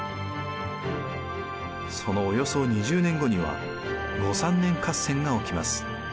そのおよそ２０年後には後三年合戦が起きます。